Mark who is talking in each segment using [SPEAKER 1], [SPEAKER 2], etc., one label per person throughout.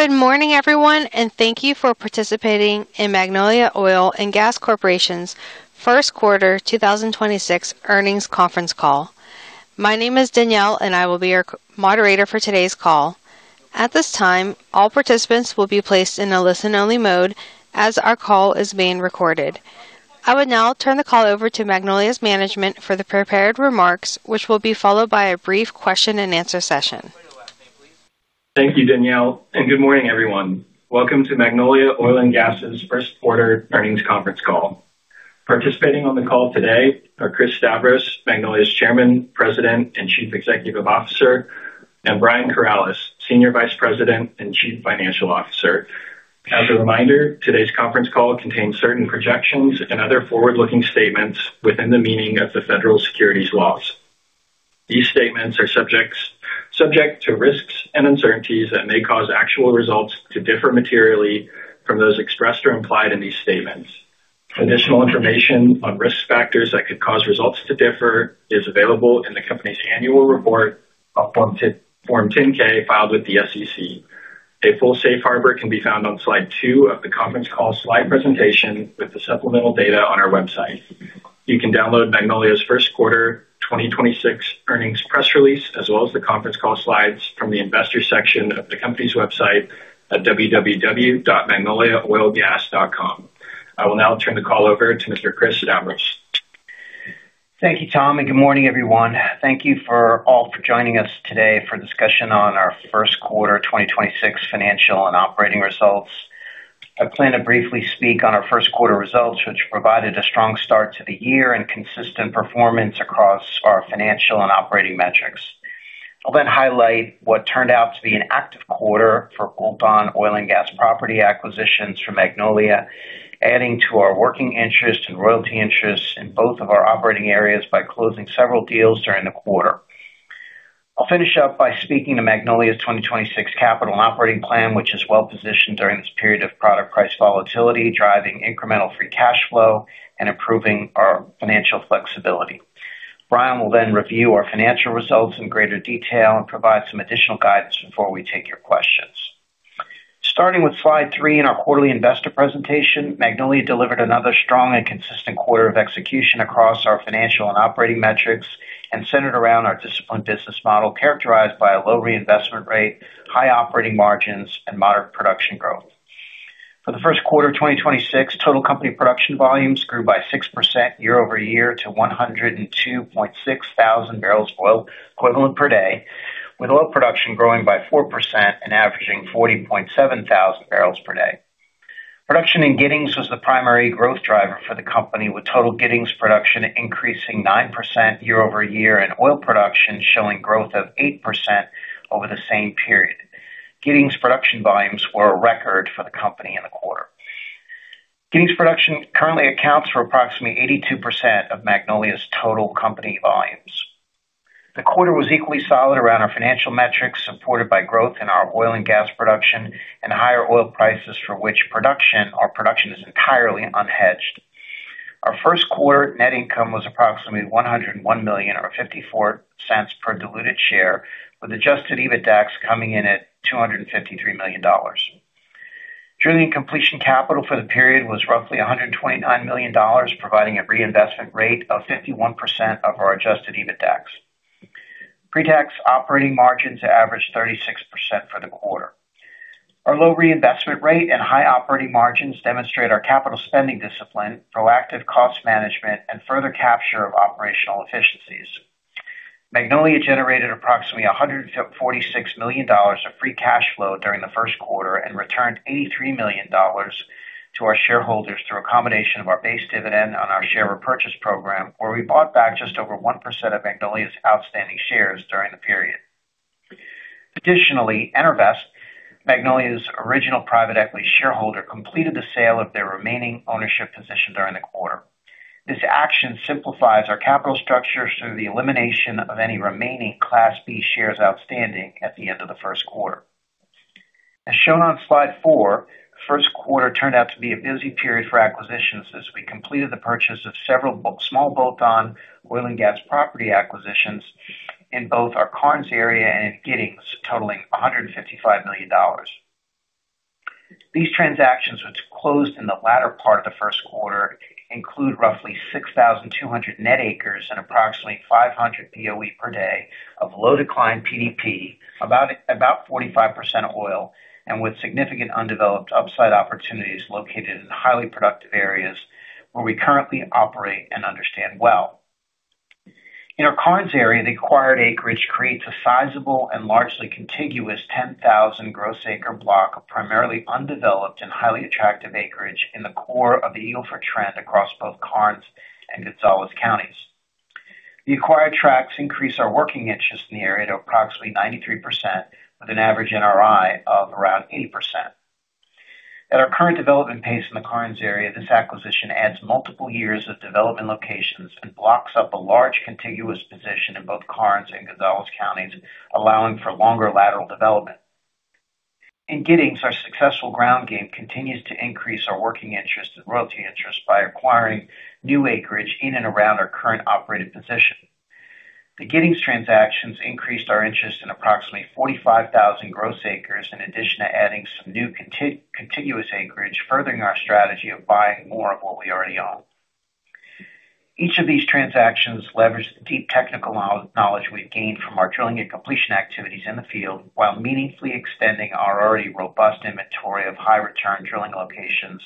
[SPEAKER 1] Good morning, everyone, and thank you for participating in Magnolia Oil & Gas Corporation's first quarter 2026 earnings conference call. My name is Danielle, and I will be your moderator for today's call. At this time, all participants will be placed in a listen-only mode as our call is being recorded. I would now turn the call over to Magnolia's management for the prepared remarks, which will be followed by a brief question-and-answer session.
[SPEAKER 2] Thank you, Danielle. Good morning, everyone. Welcome to Magnolia Oil & Gas' first quarter earnings conference call. Participating on the call today are Chris Stavros, Magnolia's Chairman, President, and Chief Executive Officer, and Brian Corales, Senior Vice President and Chief Financial Officer. As a reminder, today's conference call contains certain projections and other forward-looking statements within the meaning of the Federal securities laws. These statements are subject to risks and uncertainties that may cause actual results to differ materially from those expressed or implied in these statements. Additional information on risk factors that could cause results to differ is available in the company's annual report on Form 10-K filed with the SEC. A full Safe Harbor can be found on slide two of the conference call slide presentation with the supplemental data on our website. You can download Magnolia's first quarter 2026 earnings press release, as well as the conference call slides from the investor section of the company's website at www.magnoliaoilgas.com. I will now turn the call over to Mr. Chris Stavros.
[SPEAKER 3] Thank you, Tom. Good morning, everyone. Thank you for all for joining us today for a discussion on our first quarter 2026 financial and operating results. I plan to briefly speak on our first quarter results, which provided a strong start to the year and consistent performance across our financial and operating metrics. I'll then highlight what turned out to be an active quarter for bolt-on oil and gas property acquisitions for Magnolia, adding to our working interest and royalty interest in both of our operating areas by closing several deals during the quarter. I'll finish up by speaking to Magnolia's 2026 capital and operating plan, which is well-positioned during this period of product price volatility, driving incremental free cash flow and improving our financial flexibility. Brian will then review our financial results in greater detail and provide some additional guidance before we take your questions. Starting with slide three in our quarterly investor presentation, Magnolia delivered another strong and consistent quarter of execution across our financial and operating metrics and centered around our disciplined business model, characterized by a low reinvestment rate, high operating margins, and moderate production growth. For the first quarter of 2026, total company production volumes grew by 6% year-over-year to 102.6 Mboe/d, with oil production growing by 4% and averaging 40.7 Mbpd. Production in Giddings was the primary growth driver for the company, with total Giddings production increasing 9% year-over-year, and oil production showing growth of 8% over the same period. Giddings production volumes were a record for the company in the quarter. Giddings production currently accounts for approximately 82% of Magnolia's total company volumes. The quarter was equally solid around our financial metrics, supported by growth in our oil and gas production and higher oil prices for which our production is entirely unhedged. Our first quarter net income was approximately $101 million, or $0.54 per diluted share, with adjusted EBITDAX coming in at $253 million. Drilling completion capital for the period was roughly $129 million, providing a reinvestment rate of 51% of our adjusted EBITDAX. Pre-tax operating margins averaged 36% for the quarter. Our low reinvestment rate and high operating margins demonstrate our capital spending discipline, proactive cost management, and further capture of operational efficiencies. Magnolia generated approximately $146 million of free cash flow during the first quarter and returned $83 million to our shareholders through a combination of our base dividend on our share repurchase program, where we bought back just over 1% of Magnolia's outstanding shares during the period. Additionally, EnerVest, Magnolia's original private equity shareholder, completed the sale of their remaining ownership position during the quarter. This action simplifies our capital structure through the elimination of any remaining Class B shares outstanding at the end of the first quarter. As shown on slide four, the first quarter turned out to be a busy period for acquisitions as we completed the purchase of several small bolt-on oil and gas property acquisitions in both our Karnes area and in Giddings, totaling $155 million. These transactions, which closed in the latter part of the first quarter, include roughly 6,200 net acres and approximately 500 boe/d of low decline PDP, about 45% oil and with significant undeveloped upside opportunities located in highly productive areas where we currently operate and understand well. In our Karnes area, the acquired acreage creates a sizable and largely contiguous 10,000 gross acre block of primarily undeveloped and highly attractive acreage in the core of the Eagle Ford trend across both Karnes and Gonzales counties. The acquired tracts increase our working interest in the area to approximately 93%, with an average NRI of around 80%. At our current development pace in the Karnes area, this acquisition adds multiple years of development locations and blocks up a large contiguous position in both Karnes and Gonzales counties, allowing for longer lateral development. In Giddings, our successful ground game continues to increase our working interest and royalty interest by acquiring new acreage in and around our current operated position. The Giddings transactions increased our interest in approximately 45,000 gross acres, in addition to adding some new contiguous acreage, furthering our strategy of buying more of what we already own. Each of these transactions leveraged the deep technical knowledge we've gained from our drilling and completion activities in the field, while meaningfully extending our already robust inventory of high return drilling locations,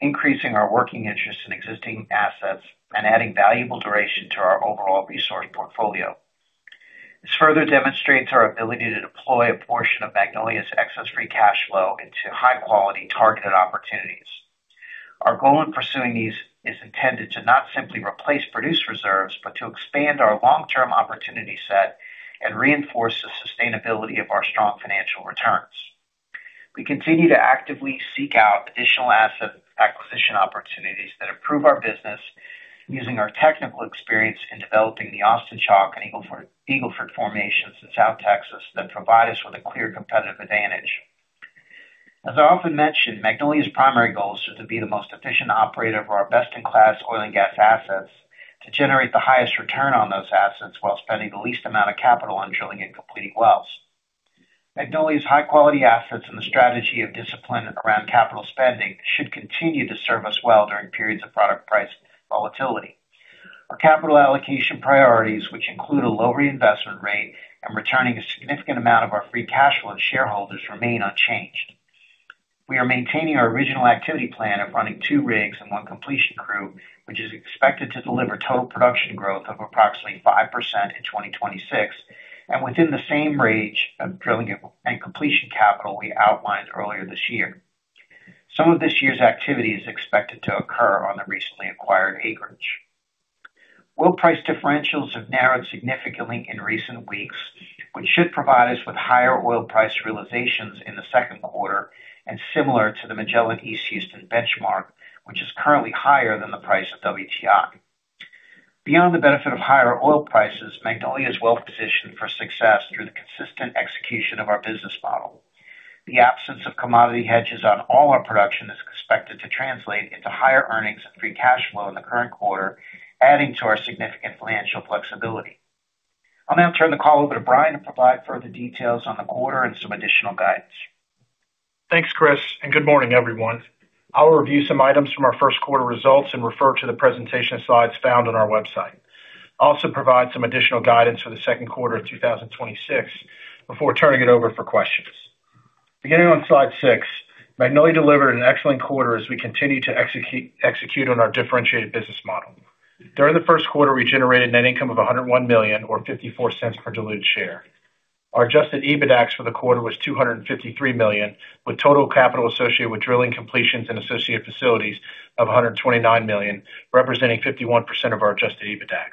[SPEAKER 3] increasing our working interest in existing assets and adding valuable duration to our overall resource portfolio. This further demonstrates our ability to deploy a portion of Magnolia's excess free cash flow into high quality targeted opportunities. Our goal in pursuing these is intended to not simply replace produced reserves, but to expand our long-term opportunity set and reinforce the sustainability of our strong financial returns. We continue to actively seek out additional asset acquisition opportunities that improve our business using our technical experience in developing the Austin Chalk and Eagle Ford formations in South Texas that provide us with a clear competitive advantage. As I often mention, Magnolia's primary goal is to be the most efficient operator of our best in class oil and gas assets to generate the highest return on those assets while spending the least amount of capital on drilling and completing wells. Magnolia's high quality assets and the strategy of discipline around capital spending should continue to serve us well during periods of product price volatility. Our capital allocation priorities, which include a low reinvestment rate and returning a significant amount of our free cash flow to shareholders, remain unchanged. We are maintaining our original activity plan of running two rigs and one completion crew, which is expected to deliver total production growth of approximately 5% in 2026, within the same range of drilling and completion capital we outlined earlier this year. Some of this year's activity is expected to occur on the recently acquired acreage. Oil price differentials have narrowed significantly in recent weeks, which should provide us with higher oil price realizations in the second quarter. Similar to the Magellan East Houston benchmark, which is currently higher than the price of WTI. Beyond the benefit of higher oil prices, Magnolia is well positioned for success through the consistent execution of our business model. The absence of commodity hedges on all our production is expected to translate into higher earnings and free cash flow in the current quarter, adding to our significant financial flexibility. I'll now turn the call over to Brian to provide further details on the quarter and some additional guidance.
[SPEAKER 4] Thanks, Chris, and good morning, everyone. I will review some items from our first quarter results and refer to the presentation slides found on our website. I'll also provide some additional guidance for the second quarter of 2026 before turning it over for questions. Beginning on slide six, Magnolia delivered an excellent quarter as we continue to execute on our differentiated business model. During the first quarter, we generated net income of $101 million or $0.54 per diluted share. Our adjusted EBITDAX for the quarter was $253 million, with total capital associated with drilling completions and associated facilities of $129 million, representing 51% of our adjusted EBITDAX.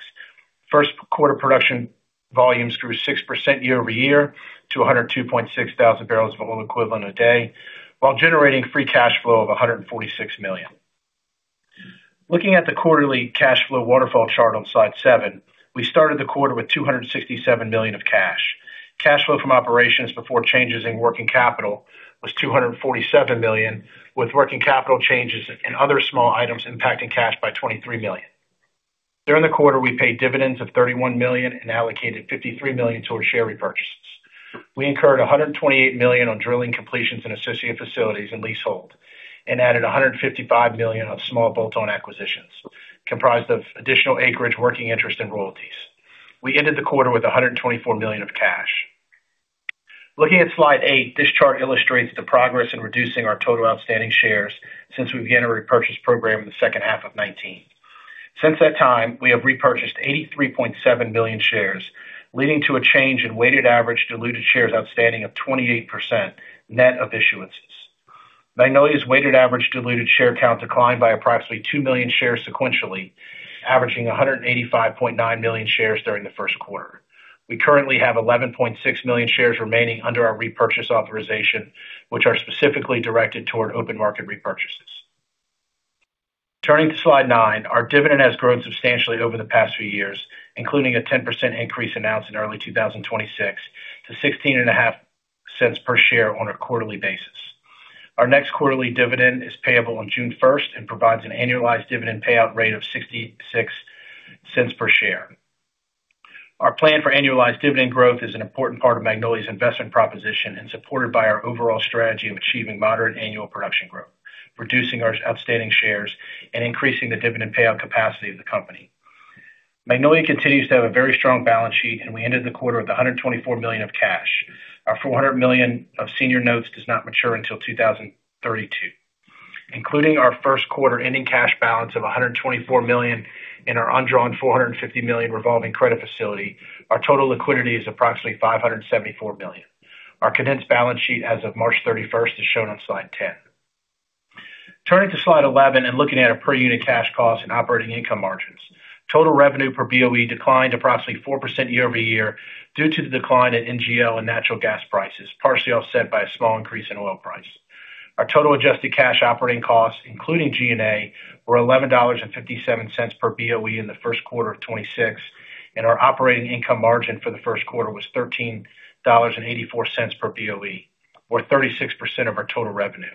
[SPEAKER 4] First quarter production volumes grew 6% year-over-year to 102.6 Mboe/d, while generating free cash flow of $146 million. Looking at the quarterly cash flow waterfall chart on slide seven, we started the quarter with $267 million of cash. Cash flow from operations before changes in working capital was $247 million, with working capital changes and other small items impacting cash by $23 million. During the quarter, we paid dividends of $31 million and allocated $53 million towards share repurchases. We incurred $128 million on Drilling, Completion, and associated facilities and leasehold, and added $155 million on small bolt-on acquisitions comprised of additional acreage, working interest, and royalties. We ended the quarter with $124 million of cash. Looking at slide eight, this chart illustrates the progress in reducing our total outstanding shares since we began a repurchase program in the second half of 2019. Since that time, we have repurchased 83.7 million shares, leading to a change in weighted average diluted shares outstanding of 28% net of issuances. Magnolia's weighted average diluted share count declined by approximately 2 million shares sequentially, averaging 185.9 million shares during the first quarter. We currently have 11.6 million shares remaining under our repurchase authorization, which are specifically directed toward open market repurchases. Turning to slide nine. Our dividend has grown substantially over the past few years, including a 10% increase announced in early 2026 to $0.165 per share on a quarterly basis. Our next quarterly dividend is payable on June 1st and provides an annualized dividend payout rate of $0.66 per share. Our plan for annualized dividend growth is an important part of Magnolia's investment proposition and supported by our overall strategy of achieving moderate annual production growth, reducing our outstanding shares, and increasing the dividend payout capacity of the company. Magnolia continues to have a very strong balance sheet, and we ended the quarter with $124 million of cash. Our $400 million of senior notes does not mature until 2032. Including our first quarter ending cash balance of $124 million in our undrawn $450 million revolving credit facility, our total liquidity is approximately $574 million. Our condensed balance sheet as of March 31st is shown on slide 10. Turning to slide 11 and looking at a per unit cash cost and operating income margins. Total revenue per boe declined approximately 4% year-over-year due to the decline in NGL and natural gas prices, partially offset by a small increase in oil price. Our total adjusted cash operating costs, including G&A, were $11.57 per boe in the first quarter of 2026, and our operating income margin for the first quarter was $13.84 per boe, or 36% of our total revenue.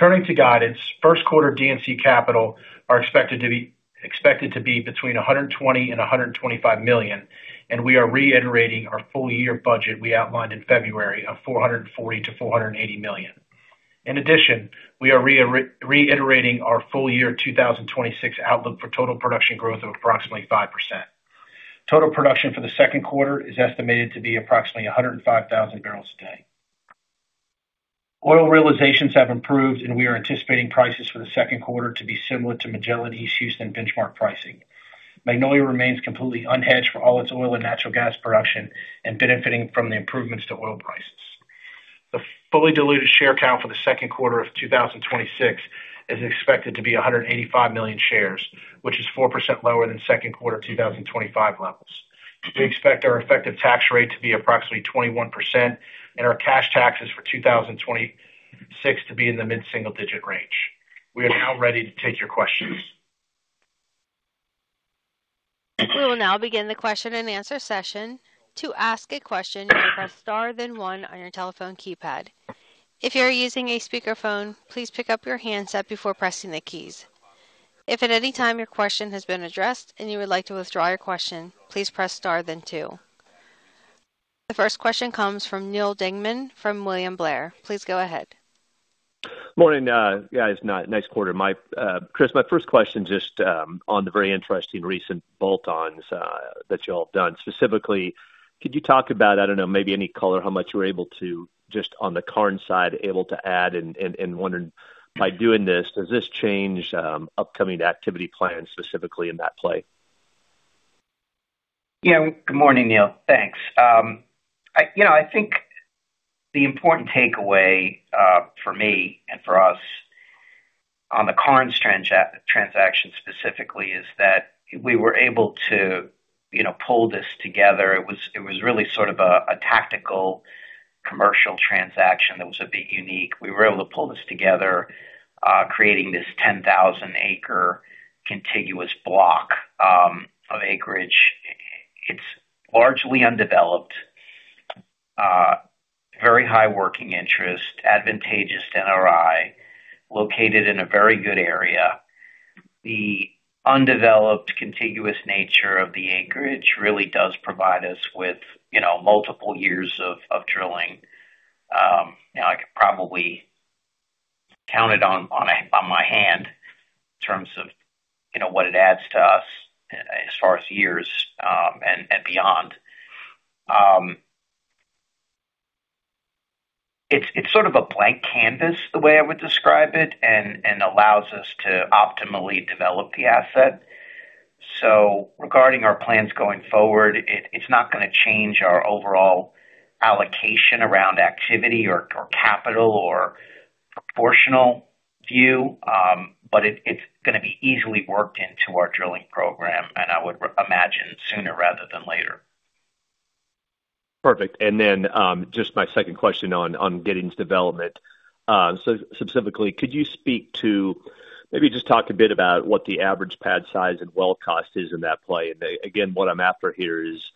[SPEAKER 4] Turning to guidance, first quarter D&C capital are expected to be between $120 million and $125 million, and we are reiterating our full year budget we outlined in February of $440 million-$480 million. In addition, we are reiterating our full year 2026 outlook for total production growth of approximately 5%. Total production for the second quarter is estimated to be approximately 105,000 bpd. Oil realizations have improved. We are anticipating prices for the second quarter to be similar to Magellan East Houston benchmark pricing. Magnolia remains completely unhedged for all its oil and natural gas production and benefiting from the improvements to oil prices. The fully diluted share count for the second quarter of 2026 is expected to be 185 million shares, which is 4% lower than second quarter 2025 levels. We expect our effective tax rate to be approximately 21% and our cash taxes for 2026 to be in the mid-single digit range. We are now ready to take your questions.
[SPEAKER 1] We will now begin the question-and-answer session. To ask a question, press star then one on your telephone keypad. If you are using a speakerphone, please pick up your handset before pressing the keys. If at any time your question has been addressed and you would like to withdraw your question, please press star than two. The first question comes from Neal Dingmann from William Blair. Please go ahead.
[SPEAKER 5] Morning, guys. Nice quarter. Chris, my first question just on the very interesting recent bolt-ons that you all have done. Specifically, could you talk about, I don't know, maybe any color, how much you were able to just on the Karnes side, able to add and wondering by doing this, does this change upcoming activity plans specifically in that play?
[SPEAKER 3] Good morning, Neal. Thanks. You know, I think the important takeaway for me and for us on the Karnes transaction specifically, is that we were able to, you know, pull this together. It was really sort of a tactical commercial transaction that was a bit unique. We were able to pull this together, creating this 10,000 acre contiguous block of acreage. It's largely undeveloped, very high working interest, advantageous NRI, located in a very good area. The undeveloped contiguous nature of the acreage really does provide us with, you know, multiple years of drilling. You know, I could probably count it on my hand in terms of, you know, what it adds to us as far as years and beyond. It's sort of a blank canvas, the way I would describe it, and allows us to optimally develop the asset. Regarding our plans going forward, it's not gonna change our overall allocation around activity or capital or proportional view. It's gonna be easily worked into our drilling program, and I would imagine sooner rather than later.
[SPEAKER 5] Perfect. Just my second question on getting to development. Specifically, could you speak to maybe just talk a bit about what the average pad size and well cost is in that play? And again, what I'm after here is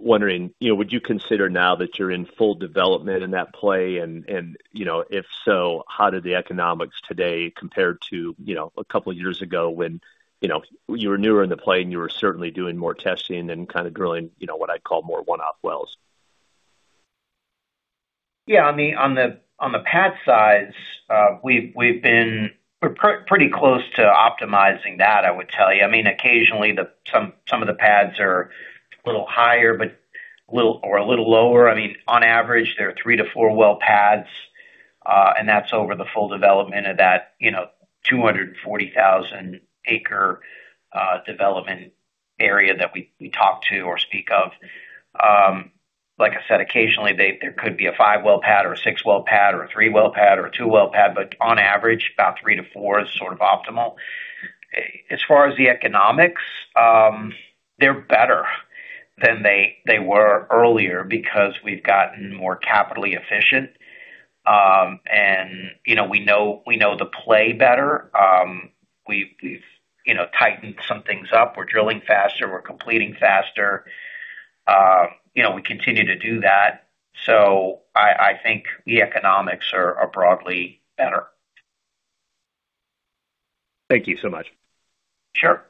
[SPEAKER 5] wondering, you know, would you consider now that you're in full development in that play and you know, if so, how do the economics today compare to, you know, a couple of years ago when, you know, you were newer in the play and you were certainly doing more testing and kind of drilling, you know, what I'd call more one-off wells.
[SPEAKER 3] On the pad size, we're pretty close to optimizing that, I would tell you. I mean, occasionally some of the pads are a little higher, but or a little lower. I mean, on average, there are three to four well pads, and that's over the full development of that, you know, 240,000 acre development area that we talked to or speak of. Like I said, occasionally there could be a five-well pad or a six-well pad or a three-well pad or a two-well pad, but on average about three to four is sort of optimal. As far as the economics, they're better than they were earlier because we've gotten more capitally efficient. You know, we know the play better. We've, you know, tightened some things up. We're drilling faster. We're completing faster. You know, we continue to do that. I think the economics are broadly better.
[SPEAKER 5] Thank you so much.
[SPEAKER 3] Sure.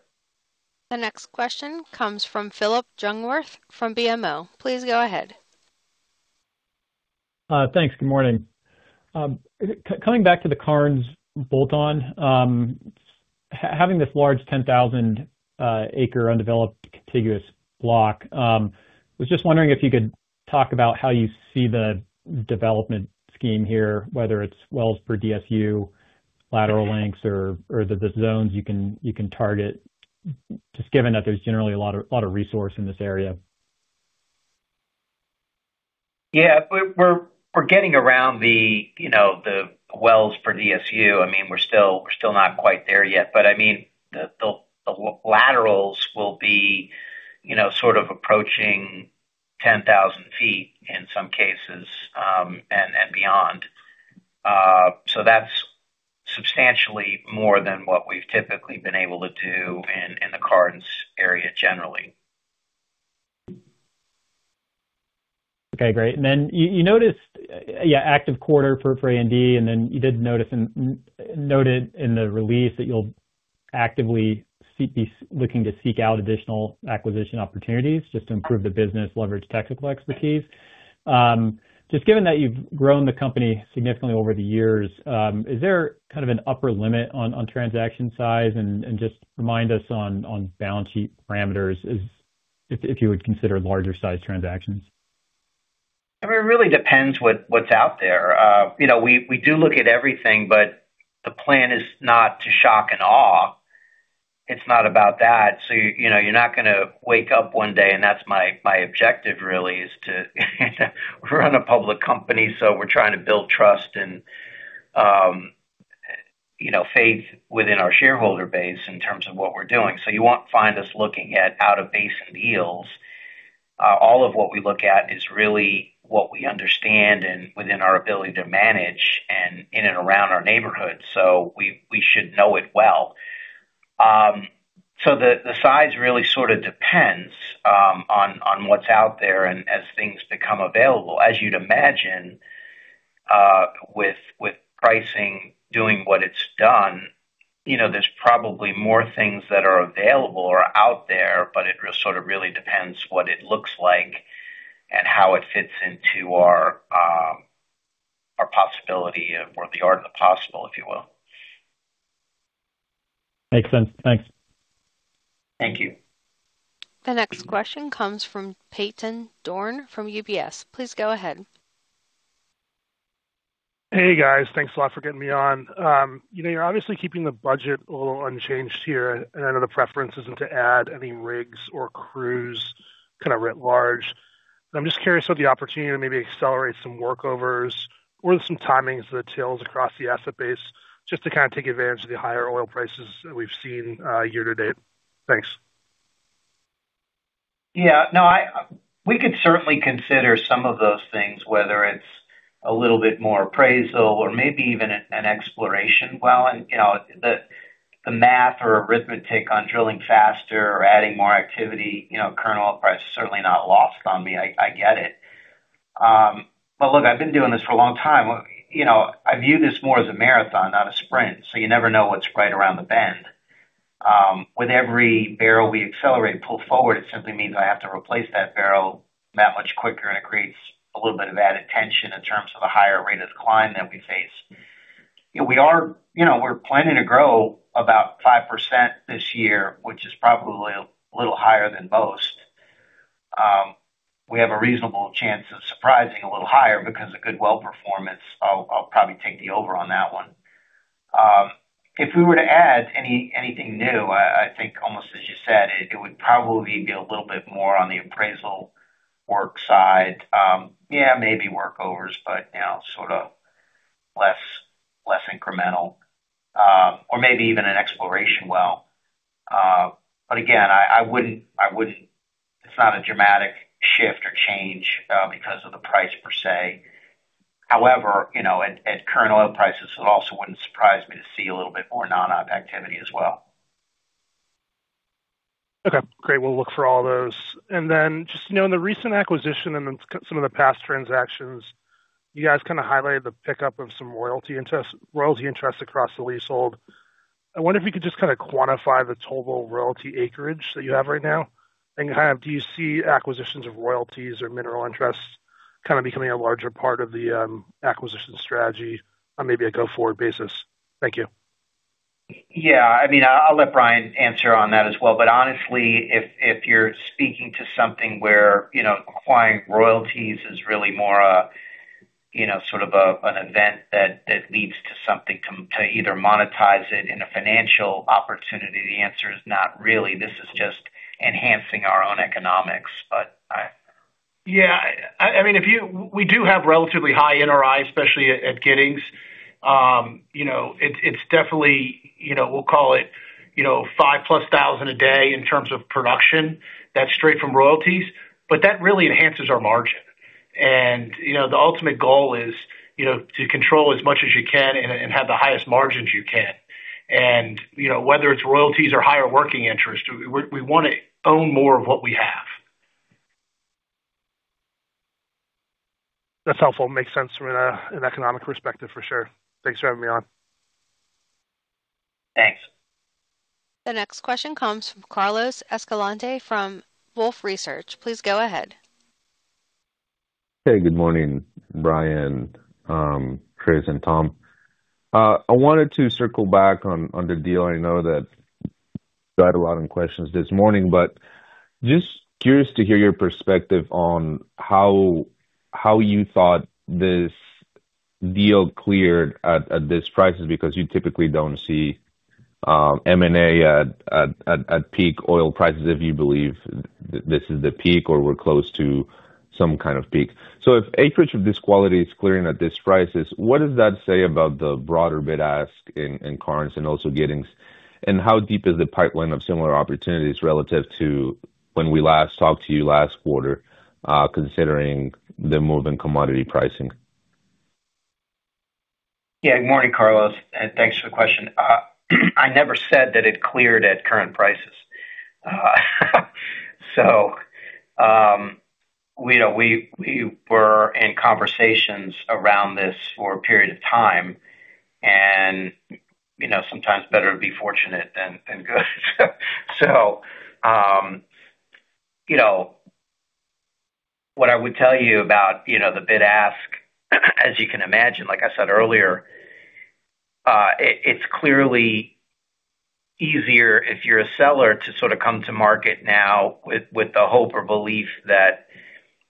[SPEAKER 1] The next question comes from Phillip Jungwirth from BMO. Please go ahead.
[SPEAKER 6] Thanks. Good morning. Coming back to the Karnes bolt-on, having this large 10,000 acre undeveloped contiguous block, was just wondering if you could talk about how you see the development scheme here, whether it's wells per DSU, lateral lengths or the zones you can target, just given that there's generally a lot of resource in this area.
[SPEAKER 3] Yeah. We're getting around the, you know, the wells per DSU. I mean, we're still not quite there yet, but I mean, the laterals will be, you know, sort of approaching 10,000 ft in some cases, and beyond. That's substantially more than what we've typically been able to do in the Karnes area generally.
[SPEAKER 6] Okay, great. You noticed, yeah, active quarter for A&D, and then you did noted in the release that you'll actively be looking to seek out additional acquisition opportunities just to improve the business, leverage technical expertise. Just given that you've grown the company significantly over the years, is there kind of an upper limit on transaction size? Just remind us on balance sheet parameters is if you would consider larger sized transactions.
[SPEAKER 3] I mean, it really depends what's out there. You know, we do look at everything, the plan is not to shock and awe. It's not about that. You know, you're not gonna wake up one day, and that's my objective, really, is to run a public company, we're trying to build trust and faith within our shareholder base in terms of what we're doing. You won't find us looking at out of basin deals. All of what we look at is really what we understand and within our ability to manage and in and around our neighborhood. We should know it well. The size really sort of depends on what's out there and as things become available. As you'd imagine, with pricing doing what it's done, you know, there's probably more things that are available or out there, but it sort of really depends what it looks like and how it fits into our possibility of where the art of the possible, if you will.
[SPEAKER 6] Makes sense. Thanks.
[SPEAKER 3] Thank you.
[SPEAKER 1] The next question comes from Peyton Dorne from UBS. Please go ahead.
[SPEAKER 7] Hey, guys. Thanks a lot for getting me on. You know, you're obviously keeping the budget a little unchanged here, and I know the preference isn't to add any rigs or crews kind of writ large. I'm just curious about the opportunity to maybe accelerate some workovers or some timings of the tails across the asset base just to kind of take advantage of the higher oil prices that we've seen year-to-date. Thanks.
[SPEAKER 3] Yeah, no, we could certainly consider some of those things, whether it's a little bit more appraisal or maybe even an exploration well. You know, the math or arithmetic on drilling faster or adding more activity, you know, current oil price is certainly not lost on me. I get it. Look, I've been doing this for a long time. You know, I view this more as a marathon, not a sprint, so you never know what's right around the bend. With every barrel we accelerate and pull forward, it simply means I have to replace that barrel that much quicker, and it creates a little bit of added tension in terms of the higher rate of decline that we face. You know, we are, you know, we're planning to grow about 5% this year, which is probably a little higher than most. We have a reasonable chance of surprising a little higher because of good well performance. I'll probably take the over on that one. If we were to add anything new, I think almost as you said, it would probably be a little bit more on the appraisal work side. Yeah, maybe workovers, but, you know, sort of less incremental or maybe even an exploration well. Again, I wouldn't It's not a dramatic shift or change because of the price per se. However, you know, at current oil prices, it also wouldn't surprise me to see a little bit more non-op activity as well.
[SPEAKER 7] Okay, great. We'll look for all those. Just, you know, in the recent acquisition and then some of the past transactions, you guys kind of highlighted the pickup of some royalty interest across the leasehold. I wonder if you could just kinda quantify the total royalty acreage that you have right now. Do you see acquisitions of royalties or mineral interests kind of becoming a larger part of the acquisition strategy on maybe a go-forward basis? Thank you.
[SPEAKER 3] Yeah, I mean, I'll let Brian answer on that as well. Honestly, if you're speaking to something where, you know, acquiring royalties is really more a, you know, sort of an event that leads to something to either monetize it in a financial opportunity, the answer is not really. This is just enhancing our own economics.
[SPEAKER 4] Yeah, I mean, if we do have relatively high NRI, especially at Giddings. you know, it's definitely, you know, we'll call it, you know, 5-plus thousand a day in terms of production. That's straight from royalties. That really enhances our margin. you know, the ultimate goal is, you know, to control as much as you can and have the highest margins you can. you know, whether it's royalties or higher working interest, we wanna own more of what we have.
[SPEAKER 7] That's helpful. Makes sense from an economic perspective for sure. Thanks for having me on.
[SPEAKER 3] Thanks.
[SPEAKER 1] The next question comes from Carlos Escalante from Wolfe Research. Please go ahead.
[SPEAKER 8] Hey, good morning, Brian, Chris, and Tom. I wanted to circle back on the deal. I know that you had a lot of questions this morning, but just curious to hear your perspective on how you thought this deal cleared at this price is because you typically don't see M&A at peak oil prices if you believe this is the peak or we're close to some kind of peak. If acreage of this quality is clearing at this prices, what does that say about the broader bid ask in Karnes and also Giddings? How deep is the pipeline of similar opportunities relative to when we last talked to you last quarter, considering the move in commodity pricing?
[SPEAKER 3] Yeah. Good morning, Carlos, thanks for the question. I never said that it cleared at current prices. we were in conversations around this for a period of time and, you know, sometimes better to be fortunate than good. you know, what I would tell you about, you know, the bid-ask, as you can imagine, like I said earlier, it's clearly easier if you're a seller to sort of come to market now with the hope or belief that,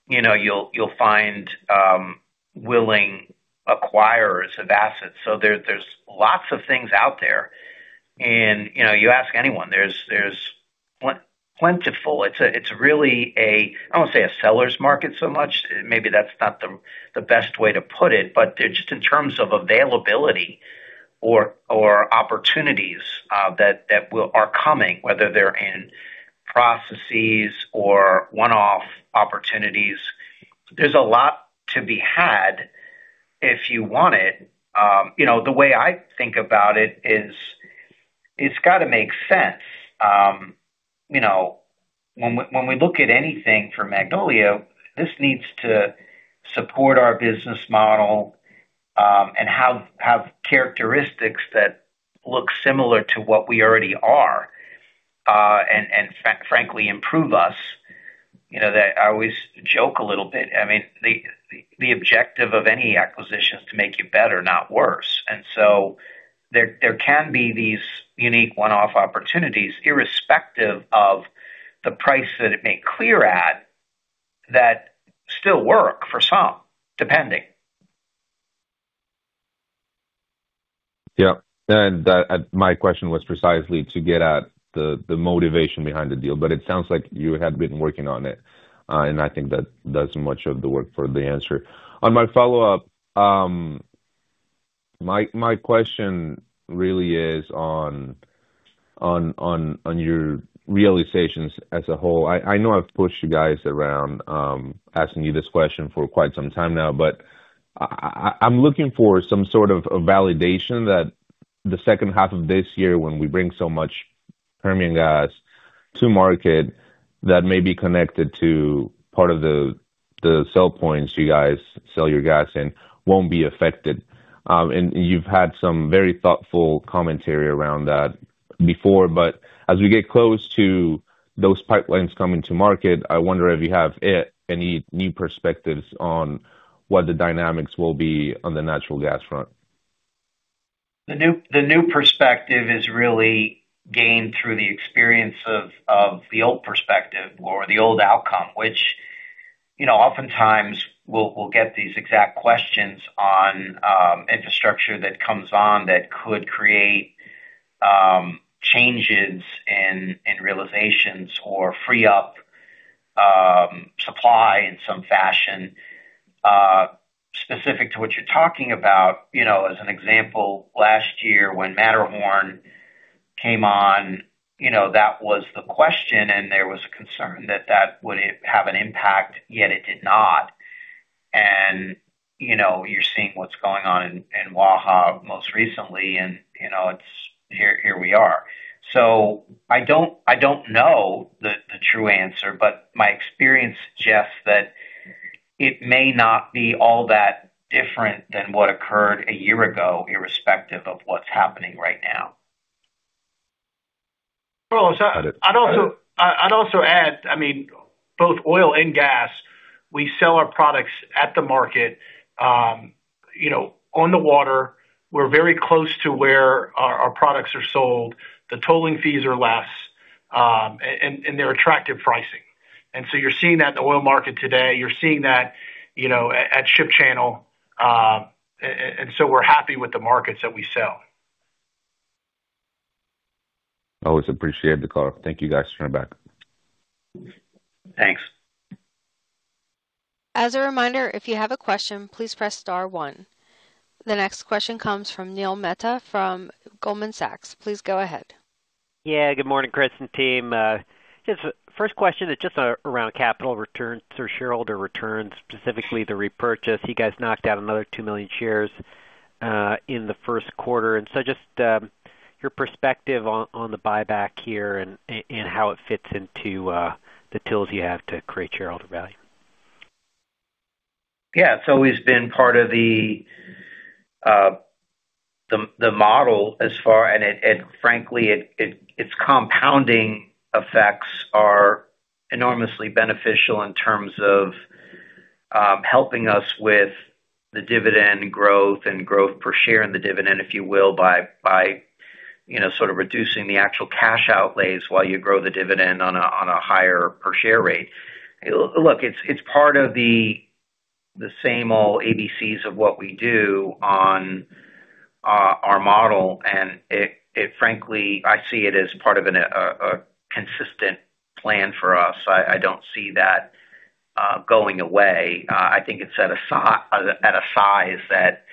[SPEAKER 3] you know, you'll find willing acquirers of assets. There's lots of things out there. You ask anyone, there's plentiful. It's really a I don't wanna say a seller's market so much. Maybe that's not the best way to put it, but just in terms of availability or opportunities, that will are coming, whether they're in processes or one-off opportunities. There's a lot to be had if you want it. You know, the way I think about it is it's gotta make sense. You know, when we look at anything for Magnolia, this needs to support our business model, and have characteristics that look similar to what we already are, and frankly, improve us. You know, that I always joke a little bit. I mean the objective of any acquisition is to make you better, not worse. There can be these unique one-off opportunities, irrespective of the price that it may clear at that still work for some, depending.
[SPEAKER 8] Yeah. My question was precisely to get at the motivation behind the deal, but it sounds like you had been working on it, and I think that does much of the work for the answer. On my follow-up, my question really is on your realizations as a whole. I know I've pushed you guys around, asking you this question for quite some time now, but I'm looking for some sort of a validation that the second half of this year when we bring so much Permian gas to market that may be connected to part of the sell points you guys sell your gas in won't be affected. You've had some very thoughtful commentary around that before, but as we get close to those pipelines coming to market, I wonder if you have any new perspectives on what the dynamics will be on the natural gas front?
[SPEAKER 3] The new perspective is really gained through the experience of the old perspective or the old outcome, which, you know, oftentimes we'll get these exact questions on infrastructure that comes on that could create changes in realizations or free up supply in some fashion. Specific to what you're talking about, you know, as an example, last year when Matterhorn came on, you know, that was the question, and there was a concern that that would have an impact. Yet it did not. You know, you're seeing what's going on in Waha most recently and, you know, it's here we are. I don't know the true answer, but my experience suggests that it may not be all that different than what occurred a year ago, irrespective of what's happening right now.
[SPEAKER 4] Carlos, I'd also add, I mean, both oil and gas, we sell our products at the market, you know, on the water. We're very close to where our products are sold. The tolling fees are less, and they're attractive pricing. You're seeing that in the oil market today. You're seeing that, you know, at Ship Channel. So we're happy with the markets that we sell.
[SPEAKER 8] Always appreciate the color. Thank you guys for coming back.
[SPEAKER 3] Thanks.
[SPEAKER 1] As a reminder, if you have a question, please press star one. The next question comes from Neil Mehta from Goldman Sachs. Please go ahead.
[SPEAKER 9] Yeah. Good morning, Chris and team. First question is just around capital returns or shareholder returns, specifically the repurchase. You guys knocked out another 2 million shares in the first quarter, your perspective on the buyback here and how it fits into the tools you have to create shareholder value.
[SPEAKER 3] Yeah. It's always been part of the model. Frankly, its compounding effects are enormously beneficial in terms of helping us with the dividend growth and growth per share in the dividend, if you will, by, you know, sort of reducing the actual cash outlays while you grow the dividend on a higher per share rate. Look, it's part of the same old ABCs of what we do on our model, and frankly, I see it as part of a consistent plan for us. I don't see that going away. I think it's at a size that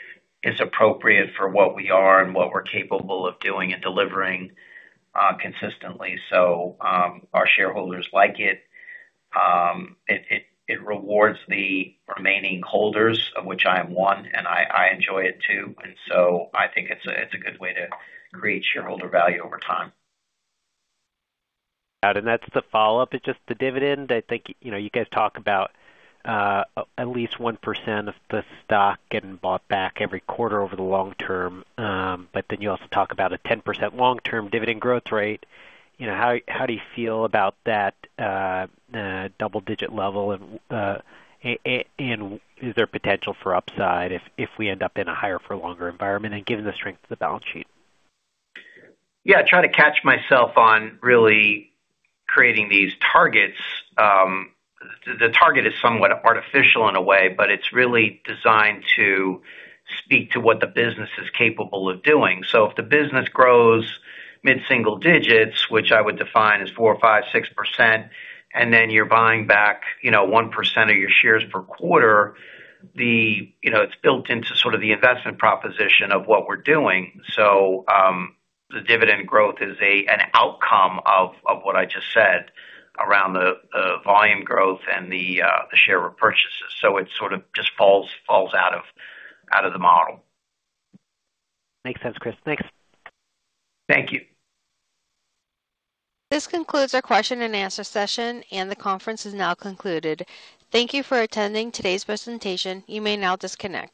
[SPEAKER 3] is appropriate for what we are and what we're capable of doing and delivering consistently. Our shareholders like it. It rewards the remaining holders, of which I am one, and I enjoy it too. I think it's a, it's a good way to create shareholder value over time.
[SPEAKER 9] That's the follow-up. It's just the dividend. I think, you guys talk about, at least 1% of the stock getting bought back every quarter over the long term. You also talk about a 10% long-term dividend growth rate. How do you feel about that double digit level, and is there potential for upside if we end up in a higher for longer environment and given the strength of the balance sheet?
[SPEAKER 3] Yeah. I try to catch myself on really creating these targets. The target is somewhat artificial in a way, it's really designed to speak to what the business is capable of doing. If the business grows mid-single digits, which I would define as 4% or 5%, 6%, and then you're buying back, you know, 1% of your shares per quarter, You know, it's built into sort of the investment proposition of what we're doing. The dividend growth is an outcome of what I just said around the volume growth and the share repurchases. It sort of just falls out of the model.
[SPEAKER 9] Makes sense, Chris. Thanks.
[SPEAKER 3] Thank you.
[SPEAKER 1] This concludes our question-and-answer session. The conference is now concluded. Thank you for attending today's presentation. You may now disconnect.